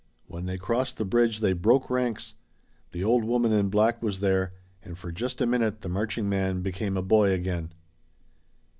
When they crossed the bridge they broke ranks. The old woman in black was there and for just a minute the marching man became a boy again.